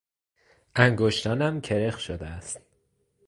انگشتانم کرخ شده است.